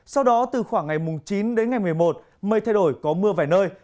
sau đó từ khoảng ngày chín đến ngày một mươi một mây thay đổi có mưa vài nơi